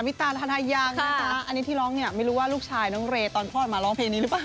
ตาธนายังนะคะอันนี้ที่ร้องเนี่ยไม่รู้ว่าลูกชายน้องเรย์ตอนคลอดมาร้องเพลงนี้หรือเปล่า